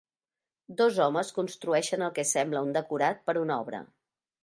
Dos homes construeixen el que sembla un decorat per una obra.